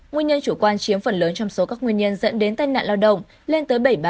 nguyên nhân chủ quan chiếm phần lớn trong số các nguyên nhân dẫn đến tai nạn lao động lên tới bảy mươi ba